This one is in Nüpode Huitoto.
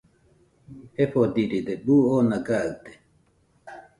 Jefodiride, buu oona gaɨte